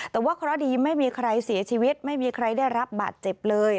แต่ว่าเคราะห์ดีไม่มีใครเสียชีวิตไม่มีใครได้รับบาดเจ็บเลย